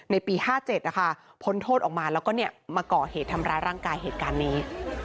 ในปี๕๗นะคะพ้นโทษออกมาแล้วก็มาก่อเหตุทำร้ายร่างกายเหตุการณ์นี้